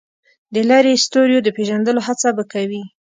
د لرې ستوریو د پېژندلو هڅه به کوي.